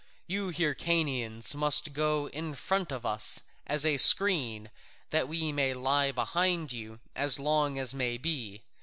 You Hyrcanians must go in front of us as a screen, that we may lie behind you as long as may be.